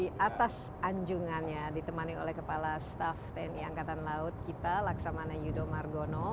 karena ketahu kredibilitasnya indonesia khususnya kapal layar